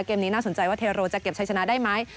เกมนี้น่าสนใจว่าเทโรจะเก็บชัยชนะได้ไหม